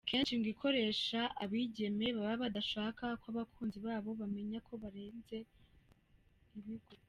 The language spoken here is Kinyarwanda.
Kenshi ngo ikoresha abigeme baba badashaka ko abakunzi babo bamenya ko barenze ibigo.